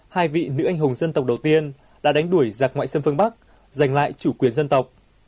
hai vị nữ anh hùng dân tộc đầu tiên đã đánh đuổi giặc ngoại xâm phương bắc giành lại chủ quyền dân tộc